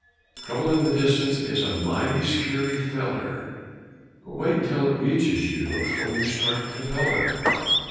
Trouble in the distance is a mighty skeery feller But wait until it reaches you afore you start to beller!